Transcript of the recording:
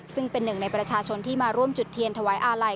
ซึ่งเป็นหนึ่งในประชาชนที่มาร่วมจุดเทียนถวายอาลัย